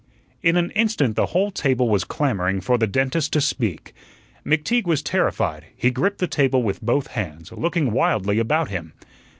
In an instant the whole table was clamoring for the dentist to speak. McTeague was terrified; he gripped the table with both hands, looking wildly about him.